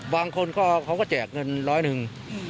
บางคนเขาก็แจกเงินร้อยหนึ่ง